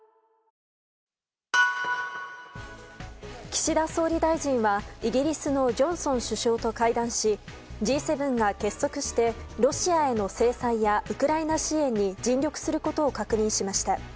岸田総理大臣はイギリスのジョンソン首相と会談しＧ７が結束してロシアへの制裁やウクライナ支援に尽力することを確認しました。